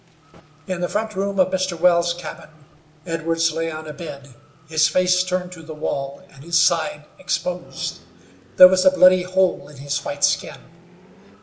In the front room of Mr. Wells' cabin Edwards lay on a bed, his face turned to the wall, and his side exposed. There was a bloody hole in his white skin.